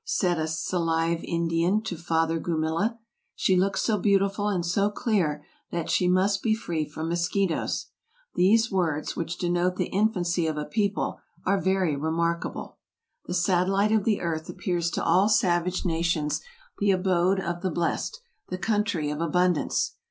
" said a Salive Indian to Father Gumilla. " She looks so beautiful and so clear, that she must be free from mosquitoes." These words, which denote the infancy of a people, are very re markable. The satellite of the earth appears to all savage nations the abode of the blessed, the country of abundance.